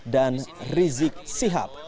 dan rizik sihab